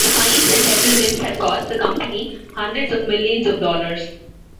The fines and settlements have cost the company hundreds of millions of dollars.